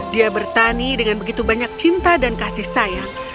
dia bertani dengan begitu banyak cinta dan kasih sayang